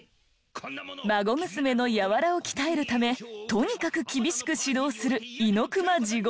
孫娘の柔を鍛えるためとにかく厳しく指導する猪熊滋悟郎。